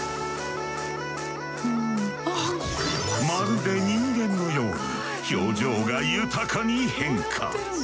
まるで人間のように表情が豊かに変化。